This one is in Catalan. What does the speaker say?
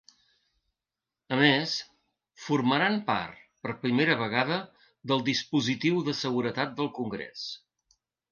A més, formaran part, per primera vegada, del dispositiu de seguretat del congrés.